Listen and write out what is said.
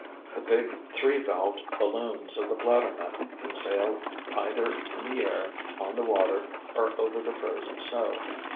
The big three valved balloons of the bladdernut can sail either in the air, on the water, or over the frozen snow.